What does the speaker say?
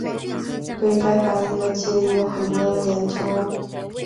对该反应的机理有很多研究。